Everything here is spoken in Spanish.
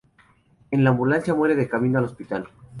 En la ambulancia, muere de camino al hospital.